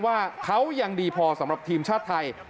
ว่าเขายังดีพอสำหรับทีมชาติไทย